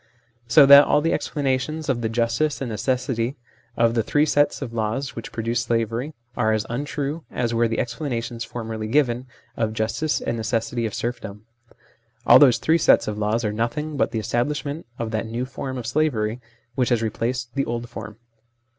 So that all the explanations of the justice and necessity of the three sets of laws which produce slavery are as untrue as were the explanations formerly given of the justice and necessity of serfdom. All those three sets of laws are nothing but the establish ment of that new form of slavery which has replaced the old form.